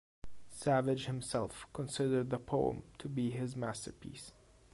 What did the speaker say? Savage himself considered the poem to be his masterpiece.